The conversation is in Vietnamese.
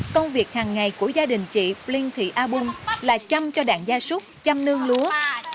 công việc hàng ngày của gia đình chị plen thị a bung là chăm cho đàn gia súc chăm nương lúa